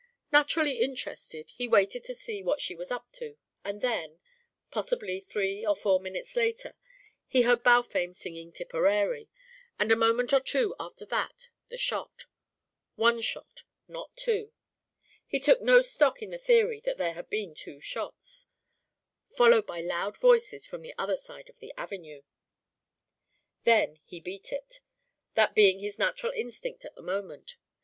Naturally interested, he waited to see what she was up to; and then possibly three or four minutes later he heard Balfame singing "Tipperary," and a moment or two after that the shot, one shot, not two; he took no stock in the theory that there had been two shots, followed by loud voices from the other side of the avenue. Then he "beat it," that being his natural instinct at the moment.